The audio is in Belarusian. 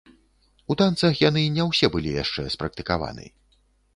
У танцах яны не ўсе былі яшчэ спрактыкаваны.